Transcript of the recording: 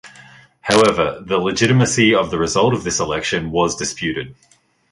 However, the legitimacy of the result of this election was disputed.